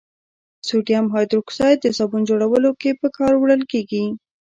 سودیم هایدروکساید د صابون جوړولو کې په کار وړل کیږي.